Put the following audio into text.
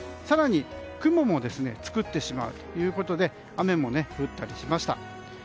更に、雲も作ってしまうということで雨も降ったりしました。